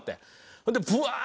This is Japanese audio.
ほんでブワー！